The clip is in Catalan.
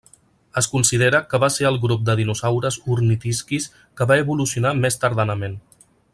Es considera que va ser el grup de dinosaures ornitisquis que va evolucionar més tardanament.